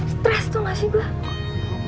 stres tuh gak sih gue